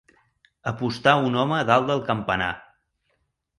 Apostà un home dalt del campanar.